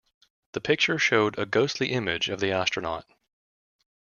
The picture showed a ghostly image of the astronaut.